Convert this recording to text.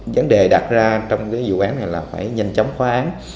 vấn đề đặt ra trong cái vụ án này là phải nhanh chóng phá án